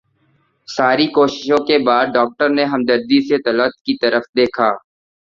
ساری کوششوں کے بعد ڈاکٹر نے ہمدردی سے طلعت کی طرف دیکھا